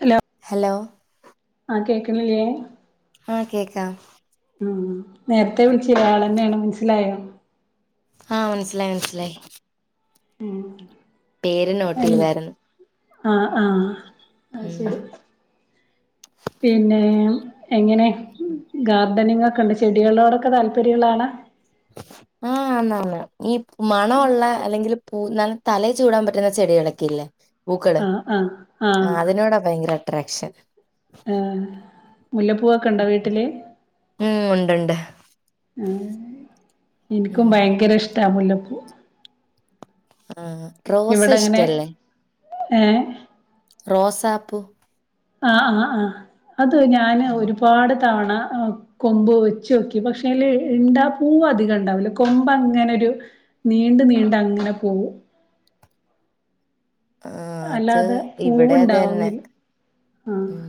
Hello hello ആ കേക്കണില്ലേ ആഹ് കേക്കാം ഉ ക വിളിച്ച ഒരാൾന്നെയാണ് മനസ്സിലായോ ആഹ മനസിലായി മനസിലായി ഉം പേര് നോട്ടീ വരുന്നു ആഹ് ആഹ അ ശരി പിന്നെ എങ്ങനെ ഗ വധനയങ്ങൊക്കെ ഉണ്ട് ചെടികളോടൊക്കെ താല്പര്യങ്ങളാ ആഹ ആന്നാണ് ഈ മണ ഉുള്ള അല്ലെങ്കിൽ പൂ ന തല ചൂടാൻ പറ്റുന്ന ചെടികളൊക്കെ ഇല്ലേ പൂക്കള് ആ ആ ആ അതിനോടാ ഭയങ്കര അട്രാക്ഷൻ ആ മുല്ലപ്പൂവൊക്കെ ഇണ്ടോ വീട്ടിലെ ഉം ഉണ്ടുണ്ട് ആഹ് എനിക്കും ഉം ഭയങ്കര ഇഷ്ടാ മുല്ല ആ റോസ ഇഷ്ടല്ലേ ആഹ് റോസാ പൂ ആഹ് ആഹ് ആഹ് അത് ഞാന് ഉം. ഒരുപാട് തവണ കൊമ്പ് വെച്ചു നോക്കി പക്ഷെ അതില് ഇണ്ടാ പൂവ് അധികം ഇണ്ടാവില്ല കൊമ്പ് അങ്ങനൊരു നീണ്ട് നീണ്ട് അങ്ങനെ പോവും ആ അത് അല്ലാതെ ഇവിടതന്നെ പൂവുണ്ടാവുന്നില്ല ആഹ് ഉം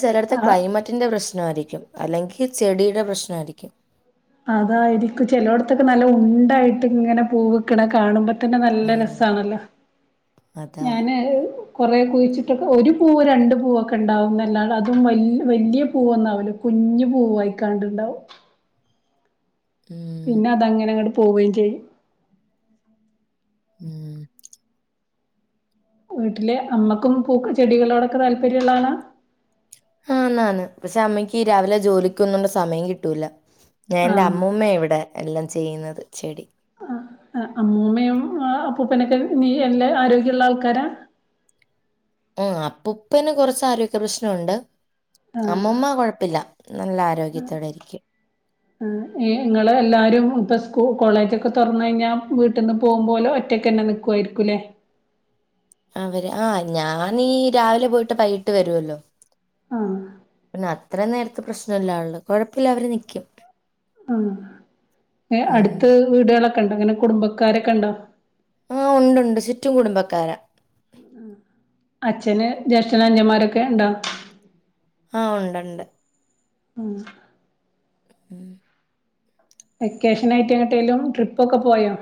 ചിലടത്തെ ആഹ് ക്ലൈമറ്റിന്റെ പ്രശ്നം പ്രശ്നം ആരിക്കും അല്ലെങ്കിൽ ചെടിയുടെ പ്രശ്നായിരിക്കും അതായിരിക്കും ചിലോടത്തൊക്കെ നല്ല ഉണ്ടായിട്ട് ഇങ്ങനെ പൂ നിക്കണ കാണുമ്പ നല്ല ഉം രസാണല്ലോ അതാ ഞാന് കുറെ കുഴിച്ചിട്ടൊക്കെ ഒരു പൂവ് രണ്ടു പൂവൊക്കെ ഉണ്ടാവുമെന്നല്ലാത അതും വ വലിയ പൂവൊന്നാവൂല്ലോ കുഞ്ഞ് പൂവ് ആയിക്കാണ്ടുണ്ടാവും ഉം പിന്നെ അതങ്ങനെ അങ്ങോട്ട് പോവേം ചെയ്യും ഉം വീട്ടിലെ അമ്മക്കും പൂക്കളും ചെടികളോടൊക്കെ താല്പര്യം ഉള്ളാള ആഹ് നാണ് പക്ഷെ അമ്മക്ക് രാവിലെ ജോലിക്ക് പോവുന്നോണ്ട് സമയം കിട്ടൂല്ല ഞാൻ എന്റെ ആഹ് അമ്മൂമ്മ ഇവിടെ എല്ലാ ചെയ്യുന്നത് ചെടി ആ അമ്മൂമ്മയും അപ്പൂപ്പനൊക്കെ നീ എല്ലാ ആരോഗ്യമുള്ള ആൾക്കാരാ ആ അപ്പുപ്പേന് കൊറച്ച് ആരോഗ്യ പ്രശ്നമുണ്ട് അമ്മൂമ്മ കൊഴപ്പില്ല നല്ല ആരോഗ്യത്തോടെരിക്കും ഇങ്ങള് എല്ലാരും ഇപ്പ കോളേജൊക്കെ തൊറന്ന് കഴിഞ്ഞാ വീട്ടിന്ന് പോകുമ്പോൾ ഒറ്റക്ക് തന്നെ നിക്കോയിരിക്കൂലേ അവര് ആഹ് ഞാനീ രാവിലെ പോയിട്ട് വൈകിട്ട് വരുവല്ലോ ആ അത്ര നേരത്തെ പ്രശ്നല്ലേ ഒള്ളു കൊഴപ്പില്ല അവര് നിക്കും ആ എ ഉം. അടുത്ത് വീടുകള ണ്ടോ അങ്ങനെ കുടുംബക്കാരൊക്കെ ഉണ്ടോ ആഹ് ഉണ്ട് ഉണ്ട് ചുറ്റും കുടുംബക്കാരാ ആ അച്ഛന് ജേഷ്ഠഅനിയന്മാരൊക്കെ ഉണ്ടോ ആ ഉണ്ട് ഉണ്ട് ആ ഉം വെക്കേഷൻ ആയിട്ട്ങ്ങട്ടെലും ട്രിപ്പ് ഒക്കെ പോയോ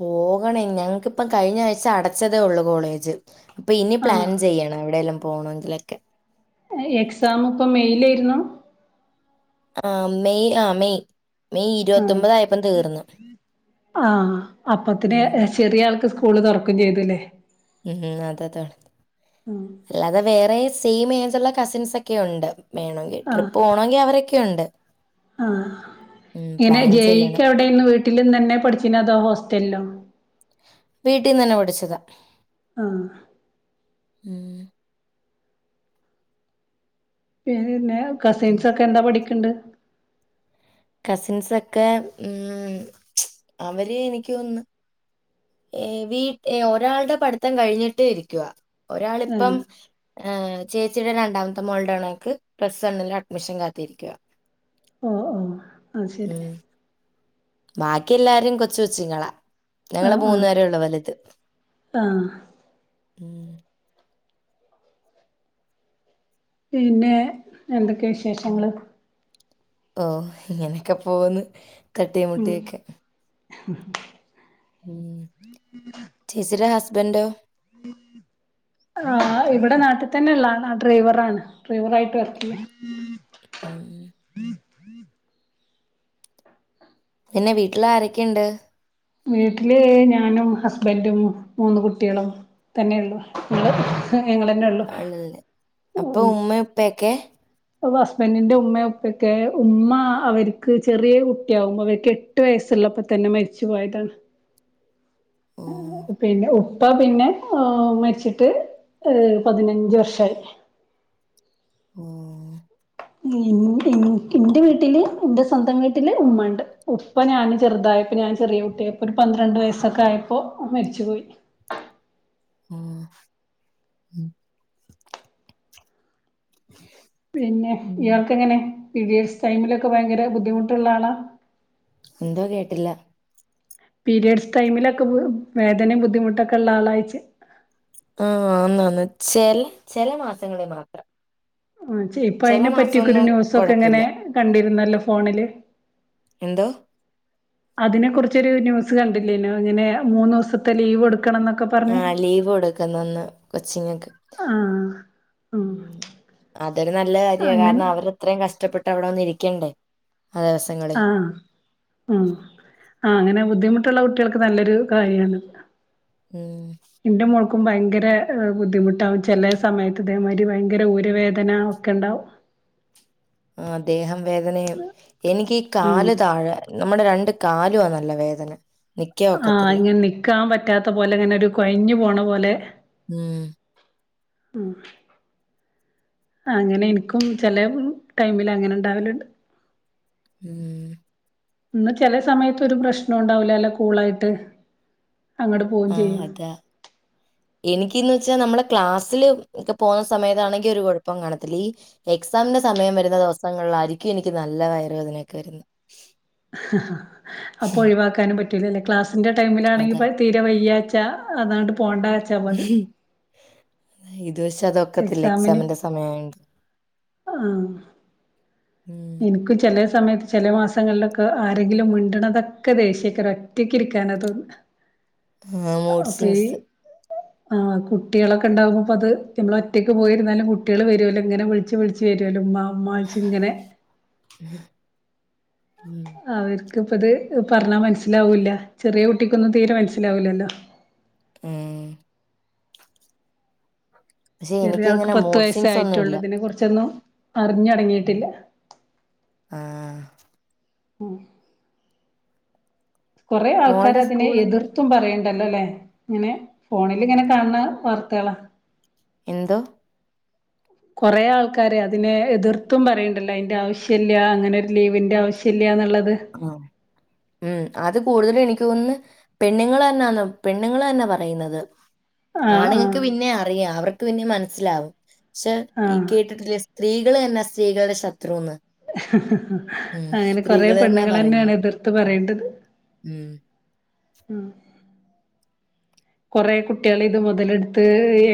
പോകണേ ഞങ്ങക്കിപ്പ കഴിഞ്ഞ ആഴ്ച അടച്ചതേ ഉള്ളൂ കോളേജ് പ്പെ ഇനി ആഹ് പ്ലാൻ ചെയ്യണം എവിടെല്ലം പോണങ്കിലൊക്കെ എക്സാമ് പ്പം മെയ്ലായിരുന്നു ആ മെയ് ആ മെയ് മെയ് ആ ഇരുപത്തൊമ്പതായപ്പം തീർന്നു ആ അപ്പത്തിന് ഉം എ ചെറിയ ആൾക്ക് സ്കൂ കൂള് തൊർക്കും ചെയ്ത് ലേ ഉം ഉം അതതാണ് അല്ലാതെ വേറെസ് സെയിം ഏജ് ള്ള കസിൻസൊക്കെ ഉണ്ട് വേണെങ്കി ട്രിപ്പ് പോണെങ്കി അവരൊക് ക്കെയുണ്ട് ആ എനെ ചെയ്യണം ജെഈയ്ക്കവിടെന്ന് വീട്ടില്ന്നന്നെ പഠിച്ചിനതോ ഹോസ്റ്റലിലോ വീട്ടിന്നെന്നെ പഠിച്ചതാ ആ ഉം പിന്നെ കസിൻസ് ഒക്കെ എന്താ പഠിക ണ്ട് കസിൻസൊക്കെ ഉം അവര് എനിക്ക് തോന്നുന്ന് ഏ വീ ഒരാളുടെ പഠിത്തം കഴിഞ്ഞിട്ട് ഇരിക്കുവാ ആഹ് ഒരാളിപ്പം ഏ ചേച്ചിയുടെ രണ്ടാമത്തെ മോള്ടെ ണക്ക് പ്ലസ് വണ്ണിൽ അഡ്മിഷൻ കാത്തിരിക ഓ ഓ ആ ശരി ബാക്കി എല്ലാരും കൊച്ച് കൊച്ചുങ്ങളാ ഞങ്ങള് ആഹ് മൂന്നു ആഹ് പേരെ ഉള്ളൂ വലുത് ആഹ് ഉം പിന്നെ എന്തൊ ക്കെ ഉം. വിശേഷങ്ങള് ഓ ഇങ്ങനെയൊക്കെ പോവാന്ന് തട്ടിയും മുട്ടിയൊക്കെ ഉം ഉം ചേച്ചിടെ ഹ്സ് ബൻറ്റൊ ആ ഇവിടെ നാട്ടിൽ തന്നെ ഉള്ള ആളാ ഡ്രൈവറാണ് ഡ്രൈവറാ ആയിട്ട് വർക്കെയ്യാ ഉം പിന്നെ വീട്ടിൽ ആരൊക്കെണ്ട് വീട്ടില് ഞാനും ഹസ്ബന്റും മൂന്ന് കുട്ടാളും തന്നെള്ളു [unintelligible] ആണല്ലേ അപ്പ ഉമ്മ ഉപ്പയൊക്കെ അപ്പ ഹസ്ബൻഡിന്റെ ഉമ്മയൊപ്പൊക്കെ ഉമ്മ അവർക്ക് ചെറിയ കുട്ടിയാകുമ്പോ അവർക്ക് എട്ട് വയസ്സുള്ളപ്പോ തന്നെ മരിച്ച ച്ച് പോയതാണ് ഓ പിന്നെ ഓ പ്പ പിന്നെ മരിച്ചിട്ട് പതിനഞ്ച് വർഷായി ഓഹ് എന്റെ വീട്ടില് എന്റെ സ്വന്തം വീട്ടില് ഉമ്മ ഉണ്ട് ഉപ്പ ഞാന് ചെറുതായപ്പ ഞാൻ ചെറിയ കുട്ടിയപ്പൊ ഒരു പന്ത്രണ്ട് വയസ്സൊക്കെ ആയപ്പോൊ മരിച്ചുപോയി ഓഹ് പിന്നെ ഉം. ഇയാൾക്ക് എങ്ങനെ പിരീഡ്‌സ് ടൈമിലൊക്കെ ഭയങ്കര ബുദ്ധിമുട്ടുള്ള ആളാ എന്തോ കേട്ടില്ല പിരിയേഡ്സ് ടൈമിലൊക്കെ വേദനയും ബുദ്ധിമുട്ടൊക്കെ ഉള്ള ആളായിച്ച ആഹ ആന്ന് ആന്ന് ചില ചെല മാസങ്ങളിൽ മാത്രം ആ ഇപ്പൊ ചെല അതിനെ പറ്റിയൊക്കെ ഒരു മാസമൊന്നും ന്യൂസൊക്കെ എങ്ങനെ കുഴപ്പമില്ല. കണ്ടിരുന്നല്ലോ ഫോണില് എന്തോ? അതിനെ കുറിച്ചൊരു ന്യൂസ് കണ്ടില്ലേനോ ഇങ്ങനെ മൂന്നു ദിവസത്തെ ലീവ് എടുക്ക ആഹ് ലീവ് കൊടുക്കുന്നന്ന് കൊച്ചിങ്ങക്ക് ആഹ് ഉം അതൊരു നല്ല കാര്യ അങ്ങൻ കാരണം അവരത്രയും കഷ്ടപ്പെട്ടു ട്ട് അവിട വന്നു ഇരിക്കണ്ടേ ആ ദിവസങ്ങളിൽ. ആഹ ഉ ആ അങ്ങനെ ബുദ്ധിമുട്ടുള്ള കുട്ടികൾക്ക് നല്ലൊരു കാര്യമാണ് ഉം ക്കും ഭയങ്കര ബുദ്ധിമുട്ടാവും ചെല സമയത്ത് ഇതേമാതിരി ഭയങ്കര ഊരവേദന ഒക്കെ ഉണ്ടാവും ആ ദേഹം വേദനയും എനിക്ക് ഈ ഉം കാല് താഴെ നമ്മുടെ രണ്ട് കാലുവാ നല്ല വേദന നിക്കാൻ ആഹ ഒക്കത്തില്ല ഇങ്ങനെ നിക്കാൻ പറ്റാത്ത പോലെ അങ്ങനെ ഒരു കൊഴഞ്ഞു പോണ പോലെ ഉം ആഹ് അങ്ങനെ എനിക്കും ചെില ടൈമിൽ അങ്ങനെ ഇണ്ടാവലണ്ട് ഉം ഇന്നാ ചില സമയത്ത് ഒരു പ്രശ്നം ഉണ്ടാവൂല അല്ല കൂളായിട്ട് അങ്ങട് പോവും ആഹ ചെയ്യും. അതാ എനിക്ക്ന്ന് വെച്ചാ നമ്മളെ ക്ലാസ്സില് ഒക്കെ പോുന്ന സമയത്താണെങ്കി ഒരു കുഴപ്പം കാണത്തില്ല ഈ എക്സാമിന്റെ സമയം വരുന്ന ദിവസങ്ങളിലായിരിക്കും എനിക്ക് നല്ല വയറു വേദനൊക്കെ വരുന്നത് അപ്പൊ ഒഴിവാക്കാനും പറ്റ റ്റൂലല്ലേ ക്ലാസ്സ്‌ അതിന്റെ ടൈമിലാണെങ്കി അതാ ഇ തീരെ വയ്യയാച്ച അതാണ് പോണ്ട വച്ചാൽ മതി ഒരുപക്ഷെ അതൊക്കത്തില്ല എക്സാമിന് എക്സാമിന്റെ സമയായൊണ്ട് എനിക്ക് ചെലെ സമയത്ത് ചില മാസങ്ങളിലൊക്കെ ആരെങ്കിലും മിണ്ടണതൊക്കെ ദേഷ്യക്കാരം ഒറ്റക്കിരിക്കാനാ തോന്ന ആഹ മൂഡ്സ്വിങ്സ് ആഹ് കുട്ടികളൊക്കെ ഉണ്ടാവകുമ്പ അത് നമ്മൾ ഒറ്റക്ക് പോയിരുന്നാലും കുട്ടികൾ വരുല്ലോ ഇങ്ങനെ വിളിച്ച് വിളിച്ച് വരുല്ലോ ഉമ്മാ ഉമ്മാ വിളിച്ച് ഇങ്ങനെ ഉം അവർക്ക ഇപ്പ ഇത് പറഞ്ഞാൽ മനസ്സിലാവൂല്ല ചെറിയ കുട്ടിക്കൊന്നും തീരെ മനസ്സിലാവൂല്ലല്ലോ ഉം പക്ഷെ ചെറിയ ആൾക്ക് എനിക്കങ്ങനെ പത്ത് മൂഡ് വയസ്സെ സിങ്സ് ഒന്നും ആയിട്ടുള്ളൂ ഇല്ല ഇതിനെ കുറിച്ചൊന്നും അറിഞ്ഞൊടങ്ങിട്ടില്ല ആഹ് ആ കുറെേ ആൾക്കാര മോൾടെ അതിനെ സ്കൂളെങ്ങനെ എതിർത്തും പറയണ്ട ണ്ടല്ലോല്ലേ ഇങ്ങനെ ഫോണിലിങ്ങനെ കാണണ വാർത്തകളാ എന്തോ കൊറെ ആൾക്കാര് അതിനെ എതിർത്തും പറയണ്ടല്ലോ അതിന്റെ ആവശ്യ ഇല്ല അങ്ങനെ ഒരു ലീവിന്റെ ആവശ്യം ഇല്ലന്നുള്ളത് ആഹ ഉം അത് കൂടുതലും എനിക്ക് ഒന്ന് പെണ്ണുങ്ങൾ തന്നാന്ന് പെണ്ണുങ്ങൾ തന്നെ പറയുന്നത് ആഹ് ആണുങ്ങക്ക് ആഹ് പിന്നെ അറിയ അവർക്ക് നി മനസ്സിലാവും പക്ഷെ ഈ ആഹ് കേട്ടിട്ടില്ലേ സ്ത്രീകള് എന്നെ സ്ത്രീകളുടെ ശത്രുന്ന് ഉം [unintelligible] അങ്ങനെ കൊറെ സ്ത്രീകള് തന്നാ പെണ്ണുകളെന്നെയാണ് പറയുന്നത്. എതിർത്ത് പറയേണ്ടത് ഉം ആ കുറേ കുട്ടികൾ ഇത് മുതലെടുത്ത്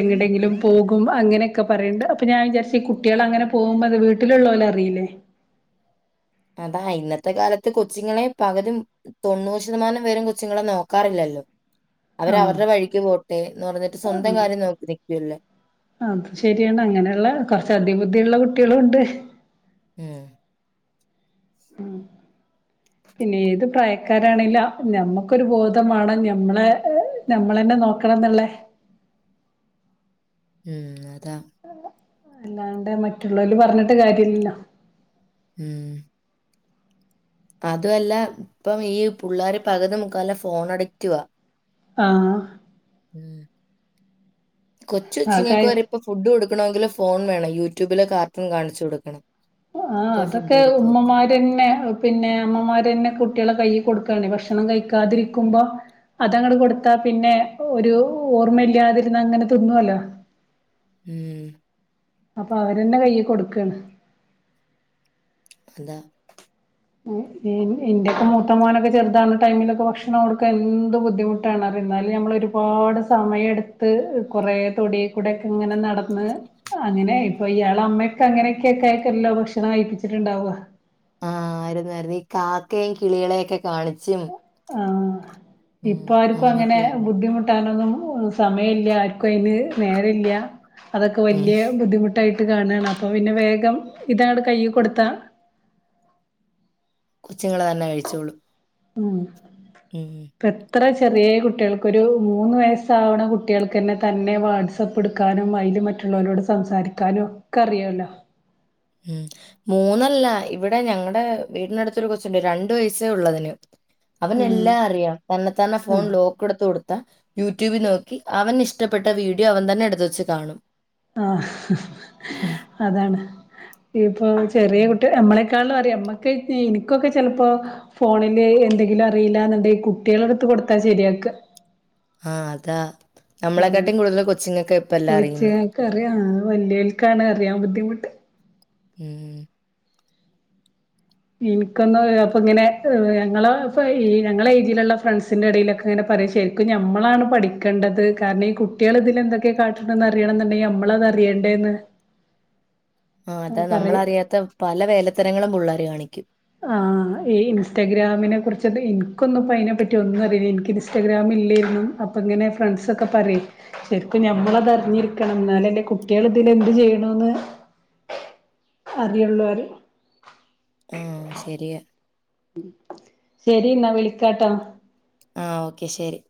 എങ്ങടെയെങ്കിലും പോകും അങ്ങനെയൊക്കെ പറയണ്ട് അപ്പൊ ഞാൻ വിചാരിച്ച് ഈ കുട്ടികൾ അങ്ങനെ പോകുമ്പോ അത് വീട്ടിലുള്ളോല് അറിയില്ലേ അത ഇന്നത്തെ കാലത്ത് കൊച്ചുങ്ങളെ പകതും തൊണ്ണൂറ് ശതമാനം പേരം കൊച്ചുങ്ങളെ നോക്കാറില്ലല്ലോ അവര അവരുടെ വഴിക്ക് പോ [unintelligible] ആ അത് ശരിയാണ് അങ്ങനെയുള്ള കുറച്ച അധിക ബുദ്ധിയുള്ള കു കുട്ടികളുണ്ട് ഉം ഉം പിന്നെ ഏത് പ്രാ ആക്കാരാണില്ല നഞമ്മക്കൊരു ബോധമാണ് ഞമ്മളെ നഞമ്മളന്നെ നോക്കണം എന്നുള്ളേ ഉം അതാ [unintelligible] അല്ലാണ്ട് മറ്റുള്ളവല് പറഞ്ഞിട്ട് കാര്യല്ലല്ലോ ഉം അതുമല്ല ഇപ്പം ഈ പിള്ളോര് പകുതി മുക്കാലും ഫോൺ അടക്റ്റുവ ആഹ് ഉം ആ കൊച്ചുച്ചിങ്ങക്ക് കായി വരെ പ്പൊ ഫുഡ് കൊടു ക്കണമെങ്കിൽ ഫോൺ വേണം യൂട്യൂബില് കാർട്ടൂൺ കാണിച്ചു കൊടുക്കണം ആ എന്നിട്ടേ ഫുഡ് അതൊക്കെ കൊടുക്കു ഒക്കൂ. ഉമ്മമാരന്നെ പിന്നെ അമ്മമാരന്നെ കുട്ടികളെ ക കൊടുക്കാണ് ഭക്ഷണം കഴിക്കാതിരിക്കുമ്പോ അതങ്ങെ കൊടുത്താ പിന്നെ ഒരു ഓർമ്മയില്ലാതിരുന്ന അങ്ങനെ തിന്നുവല്ലോ ഉം അപ്പൊ അവരന്നെ കയ്യ് കൊടുക്കാണ് അതാ ഇന്റെയൊക്കെ മൂത്തമാോനൊക്കെ ചെറുതാണ് ടൈമിലൊക്കെ ഭക്ഷണം അവടുക്ക എന്ത് ബുദ്ധിമുട്ടാണ് എന്നാലും നഞമ്മൾ ഒരുപാട് സമയ എടുത്ത് കൊറെേ തൊടീ കൂടെക്കെ ഇങ്ങനെ നട ന്ന് അങ്ങനെ ഇപ്പൊ ഇയാള അമ്മയൊക്കെ അങ്ങനെ കയല്ലോ ഭക്ഷണം കഴപ്പിച്ചിട്ടുണ്ടാവുക ആഹ് ആയിരുന്നായിരുന്നു ഈ കാക്കയും കിളികളെയും ഒക്കെ കാണിച്ചും ആ ഉം. ഇപ്പ ആർക്കും അങ്ങനെ അങ്ങനെയൊക്കെയായിരുന്നു. ബുദ്ധിമുട്ടാനൊന്നും സമയംമല്ല ആര്ക്കും അയ്ന് നേരല്ല അതൊക്കെ ഉം. വലിയ ബുദ്ധിമു ട്ടായിട്ട് കാണാണ് അപ്പൊ പിന്നെ വേഗം ഇതാണ് കൈയ് കൊടുത്താ കൊച്ചുങ്ങളെ തന്നെ കഴിച്ചോളൂ ഉം ഇപ്പ എത്ര ചെറിയ കുട്ടികൾക്കൊ ഒരു മൂന്ന് വയസ്സാവണ കുട്ടികൾക്ക്ന്നെ തന്നെ വാട്സആപ്പ് എടുക്കാനും അതിൽ മറ്റുള്ളവരോട് സംസാരിക്കാനും ഒക്കെ അറിയല്ലോ ഉം മൂന്നല്ല ഇവിടെ ഞങ്ങളടെ വീടിനടുത്തൊരു കൊച്ചുണ്ട് രണ്ടു വയസ്സേ ഉള്ളതിന് അവനെല്ലാം അറിയാം തന്നെ താനെ ഫോൺ ലോക്ക്ടുത്ത് കൊടുത്ത യൂട്യൂബിൽ നോക്കി അവന് ഇഷ്ടപ്പെട്ട വീഡിയോ അവൻ തന്നെ എടുത്ത് വച്ച് കാണും ആ അതാണ് ഇപ്പൊ ചെറിയ ഉം. കുട്ടി നമ്മളെ ക്കാളും അറിയാം അമ്മക്ക് എനിക്കൊക്കെ ചെലപ്പോ ഫോണില് എന്തെങ്കിലും അറിയില്ല എന്നുണ്ടെ കുട്ടികളടുത്ത്കൊടുത്താ ശരിയാക്ക ആ അതാ ആഹ് നമ്മളെക്കാട്ടി കൂടുതൽ കൊച്ചിങ്ങക്ക ഇപ്പല്ല അറിയുന്നേ വലിയവർക്കാണ് അറിയാൻ ബുദ്ധിമുട്ട് മ്മ് ഇനിക്കന്ന് അപ്പൊ ഇങ്ങനെ ർ ഞങ്ങള ഞങ്ങളെ ഏജില്ള്ള ഫ്രണ്ട്സിന്റെ ഇടയിലൊക്കെ ങ്ങനെ പറയാ ശരിക്ക് ഞമ്മളാണ് പഠിക്കേണ്ടത് കാരണേ കുട്ടിയള് ഇതിൽ എന്തൊക്കെ കാട്ടണം ന്ന് അറിയണംന്നുണ്ടെങ്കി ഞമ്മളത് അറിയണ്ടേന്ന് ആ അതാ പറയും നമ്മളറിയാത്ത പല വേലത്തരങ്ങളും പുള്ളേര് കാണിക്കും ആ ഈ ഇൻസ്റ്റഗ്രാം [unintelligible] കുറിച്ച ഇൻക്കൊന്നും അയ്നെ പറ്റി ഒന്നും അറിയില്ല നിക്ക് ഇൻസ്റ്റാഗ്രാാം ഇല്ലേരുന്നു അപ്പൊ ങ്ങനെ ഫ്രണ്ട്സ് ഒക്കെ പറയും ശരിക്കും ഞമ്മളത് അർഞ്ഞിരിക്കണം ന്നാലല്ലേ കുട്ടിയാള് ഇതില് എന്ത് ചെയ്യണന്ന് അറിയുള്ളൂ ആഹ് ശരിയ ശരി എന്നാ വിളിക്കാട്ടോ ആ ഓക്കെ ശരി